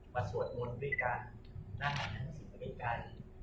มาสวดมนต์ด้วยกันหน้ากากใด